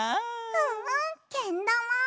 うんうんけんだま！